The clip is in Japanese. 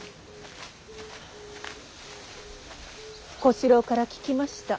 小四郎から聞きました。